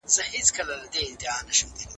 د کلي کلا له نږدې څخه وګوره.